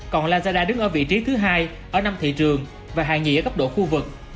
còn lazada đứng ở vị trí thứ hai ở năm thị trường và hàng nhì ở cấp độ khu vực